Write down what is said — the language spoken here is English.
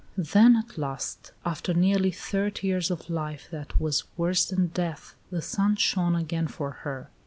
Then at last, after nearly thirty years of life that was worse than death, the sun shone again for her.